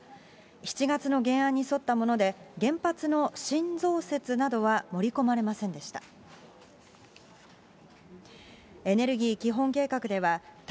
７月の原案に沿ったもので、原発の新増設などは盛り込まれませんでした。